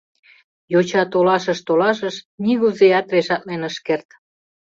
Йоча толашыш-толашыш, нигузеат решатлен ыш керт.